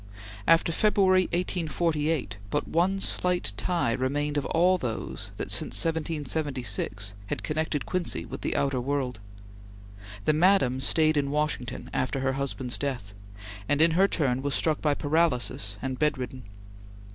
After February, 1848, but one slight tie remained of all those that, since 1776, had connected Quincy with the outer world. The Madam stayed in Washington, after her husband's death, and in her turn was struck by paralysis and bedridden.